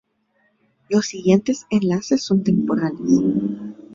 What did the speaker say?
Los siguientes enlaces son temporales.